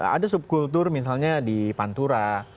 ada subkultur misalnya di pantura